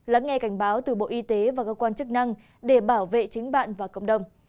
lắng nghe cảnh báo từ bộ y tế và cơ quan chức năng để bảo vệ chính bạn và cộng đồng